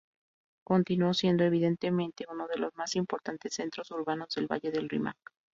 Continuó siendo, evidentemente, uno de los más importantes centros urbanos del valle del Rímac.